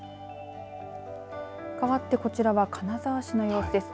かわってこちらは金沢市の様子です。